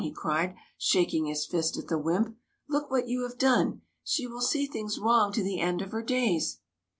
" he cried, shaking his fist at the wymp. '' Look what you have done. She will see things wrong to the end of her days